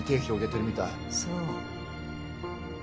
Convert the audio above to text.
そう。